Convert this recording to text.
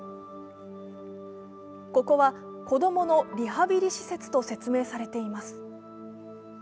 ここは子供のリハビリ施設と説明されています。